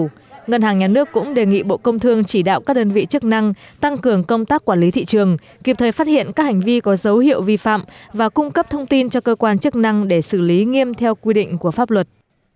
trong đó ngân hàng nhà nước cũng đề nghị bộ công thương chỉ đạo các đơn vị chức năng tăng cường công tác quản lý thị trường kịp thời phát hiện các hành vi có dấu hiệu vi phạm và cung cấp thông tin cho cơ quan chức năng để xử lý nghiêm theo quy định của pháp luật